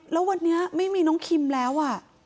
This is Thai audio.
แล้ววันนี้ไม่มีน้องคิมแล้ว